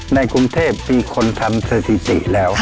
ในกรุงเทพมีคนทำสถิติแล้ว